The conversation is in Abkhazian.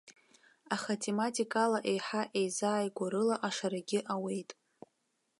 Аха тематикала еиҳа еизааигәоу рыла ашарагьы ауеит.